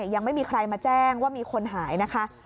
ยังไม่มีใครมาแจ้งว่ามีคนหายนะคะ